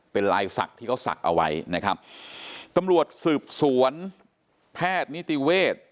เป็นลายศักดิ์ที่เขาศักดิ์เอาไว้นะครับตำรวจสืบสวนแพทย์นิติเวศ